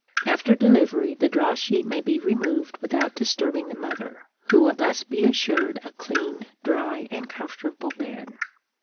After delivery, the draw sheet may be removed without disturbing the mother, who will thus be assured a clean, dry, and comfortable bed.